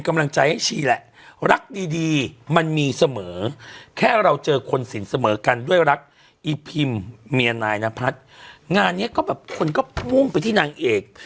ก้มผมไปที่นางเอก